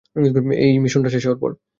এই মিশনটা শেষ হওয়ার পর!